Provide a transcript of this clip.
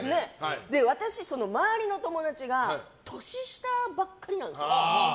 私、周りの友達が年下ばかりなんですよ。